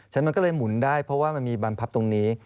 ฉะนั้นมันก็เลยหมุนได้เพราะว่ามันมีบรรพับตรงนี้